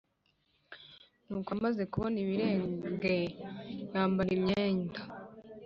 Nuko amaze kuboza ibirenge yambara imyenda